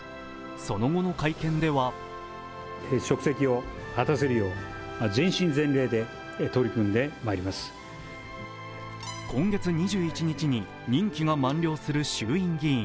その後の会見では今月２１日に任期が満了する衆院議員。